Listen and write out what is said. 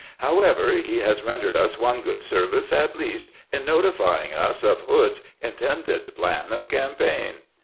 However, he has rendered us one good service at least in notifying us of Hood's intended plan of campaign."